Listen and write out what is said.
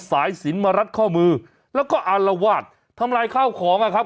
สายสินมารัดข้อมือแล้วก็อารวาสทำลายข้าวของอ่ะครับ